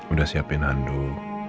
udah siapin handuk